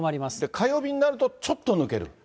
火曜日になるとちょっと抜ける。